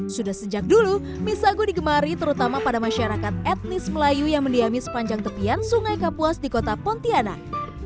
sudah sejak dulu misago digemari terutama pada masyarakat etnis melayu yang mendiami sepanjang tepian sungai kapuas di kota pontianak